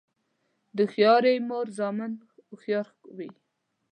د هوښیارې مور زامن هوښیار وي.